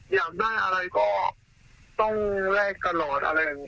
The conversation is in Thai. อยากได้อะไรก็ต้องแลกตลอดอะไรอย่างนี้